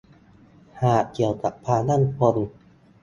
หากเกี่ยวกับความมั่นคง